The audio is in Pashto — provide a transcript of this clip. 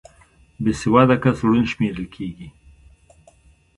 بې سواده کس ړوند شمېرل کېږي